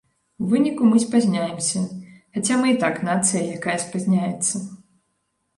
У выніку мы спазняемся, хаця мы і так нацыя, якая спазняецца.